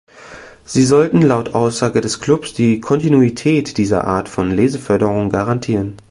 Sie sollten laut Aussage des Clubs „die Kontinuität dieser Art von Leseförderung garantieren“.